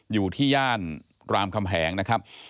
อยู่ที่ย่านรามคำแหงนะครับ